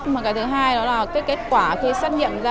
mà cái thứ hai đó là cái kết quả khi xét nghiệm ra